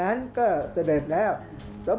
ภาคอีสานแห้งแรง